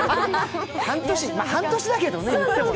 半年だけどね。